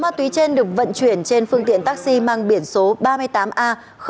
ma túy trên được vận chuyển trên phương tiện taxi mang biển số ba mươi tám a tám nghìn bốn trăm linh hai